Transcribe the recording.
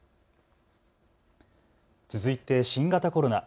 続いて新型コロナ。